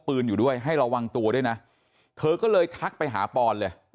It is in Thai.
อยู่ด้วยให้ระวังตัวด้วยนะเธอก็เลยทักไปหาปอนเลย